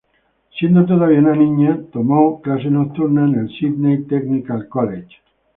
Siendo todavía una niña, tomó clases nocturnas en el Sydney Technical College.